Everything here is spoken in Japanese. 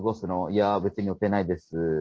「いや別に予定ないです」